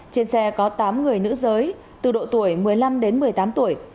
trên xe có tám người nữ giới từ độ tuổi một mươi năm đến một mươi tám tuổi